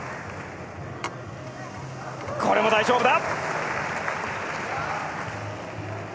これも大丈夫だ。